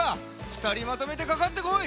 ふたりまとめてかかってこい！